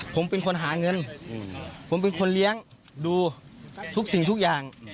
ผมเป็นคนหาเงินผมเป็นคนเลี้ยงดูทุกสิ่งทุกอย่าง